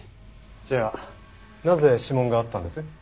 じゃあなぜ指紋があったんです？